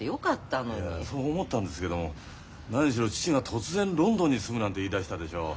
いやそう思ったんですけども何しろ父が突然ロンドンに住むなんて言いだしたでしょう。